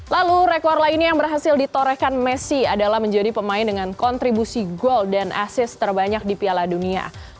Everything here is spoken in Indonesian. lalu rekor lainnya yang berhasil ditorehkan messi adalah menjadi pemain dengan kontribusi gol dan asis terbanyak di piala dunia